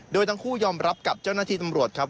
โดยทั้งคู่ยอมรับกับเจ้าหน้าที่ตำรวจครับ